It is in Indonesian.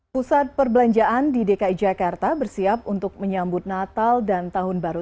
pusat perbelanjaan di dki jakarta bersiap untuk menyambut natal dan tahun baru